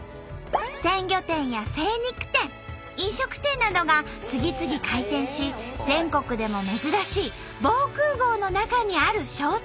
鮮魚店や精肉店飲食店などが次々開店し全国でも珍しい防空ごうの中にある商店街が出来ました。